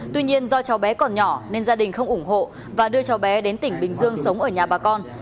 tuy nhiên do cháu bé còn nhỏ nên gia đình không ủng hộ và đưa cháu bé đến tỉnh bình dương sống ở nhà bà con